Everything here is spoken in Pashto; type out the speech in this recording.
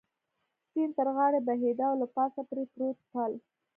سیند تر غاړې بهېده او له پاسه پرې پروت پل.